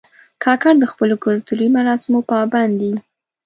کاکړ د خپلو کلتوري مراسمو پابند دي.